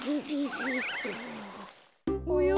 おや？